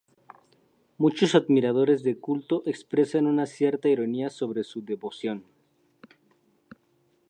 Muchos admiradores de culto expresan una cierta ironía sobre su devoción.